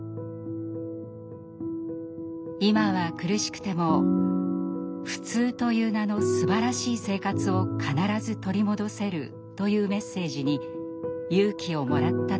今は苦しくても「普通という名の素晴らしい生活」を必ず取り戻せるというメッセージに勇気をもらったといいます。